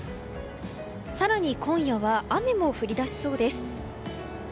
更に今夜は雨も降りだしそうです。